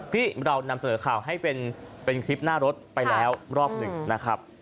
ที่เรานำเสนอข่าวให้เป็นคลิปหน้ารถไปแล้วรอบ๑